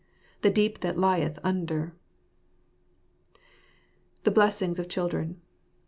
" The deep that lieth under !" The Blessings of Children.